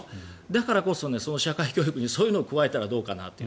だからこそ社会教育にそういうのを加えたらどうかなって。